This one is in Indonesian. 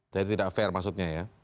jadi tidak fair maksudnya ya